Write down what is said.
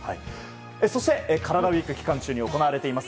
そして、カラダＷＥＥＫ期間中に行われています